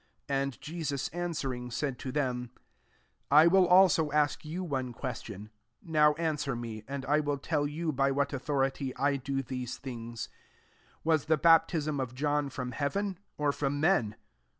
29 And Jesus answering, said to them, " I will also ask you one question ; now answer me, and I will tell you by what au thority I do these things. 30 < Was the baptism of John from heaven, or from men